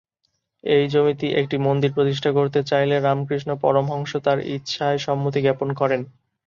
এই জমিতে একটি মন্দির প্রতিষ্ঠা করতে চাইলে রামকৃষ্ণ পরমহংস তার ইচ্ছায় সম্মতি জ্ঞাপন করেন।